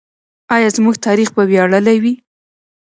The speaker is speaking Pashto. آیا زموږ تاریخ به ویاړلی وي؟